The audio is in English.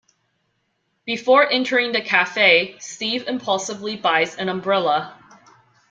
Before entering the Cafe, Steve impulsively buys an umbrella.